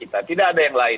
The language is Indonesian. tidak ada yang lain